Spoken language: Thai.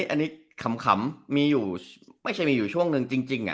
อันนี้มันคำไม่ใช่มีอยู่ช่วงหนึ่งจริง